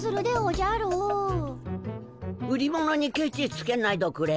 売り物にケチつけないどくれ。